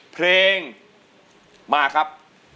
เพลงมาครับ